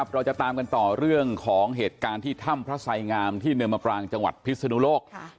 เราจะตามกันต่อเรื่องของเหตุการณ์ที่ถ้ำพระไสงามที่เนินมปรางจังหวัดพิศนุโลก